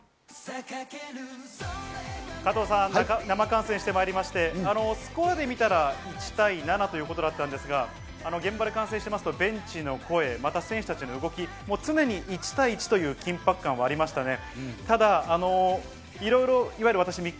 生観戦してまいりまして、スコアで見たら１対７ということだったんですが、現場で観戦してますと、ベンチの声、選手たちの動き、常に１対１という緊迫感がありました。